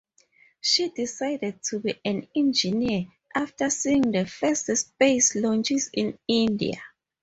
She decided to be an engineer after seeing the first space launches in India.